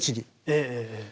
ええ。